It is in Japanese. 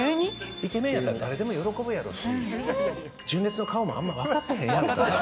イケメンやったら誰でも喜ぶやろうし、純烈の顔もあんま分かってへんやろと。